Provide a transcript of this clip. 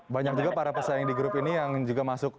banyak juga para pesaing di grup ini yang juga masuk